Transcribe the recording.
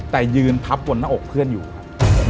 แต่ยืนพับบนหน้าอกเพื่อนอยู่ครับ